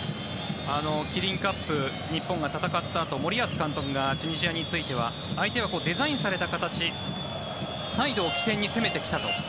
キリンカップ日本が戦ったあと森保監督がチュニジアについては相手がデザインされた形サイドを起点に攻めてきたと。